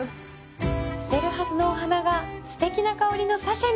捨てるはずのお花がすてきな香りのサシェに